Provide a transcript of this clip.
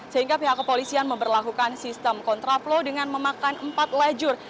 sehingga pihak kepolisian memperlakukan sistem kontraflow dengan memakan empat lajur